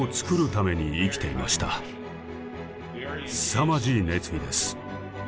すさまじい熱意です。